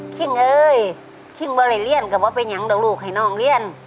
คิงเอ้ยคิงไม่เลยเรียนก็ไม่เป็นอย่างเดาลูกให้น้องเรียน